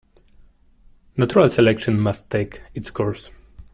Natural selection must take its course.